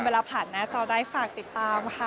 เวลาผ่านหน้าจอได้ฝากติดตามค่ะ